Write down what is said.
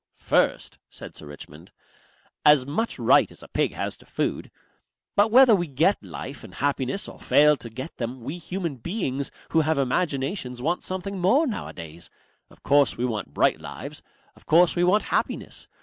"First," said Sir Richmond, "as much right as a pig has to food. But whether we get life and happiness or fail to get them we human beings who have imaginations want something more nowadays.... Of course we want bright lives, of course we want happiness.